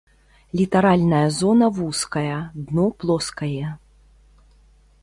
Літаральная зона вузкая, дно плоскае.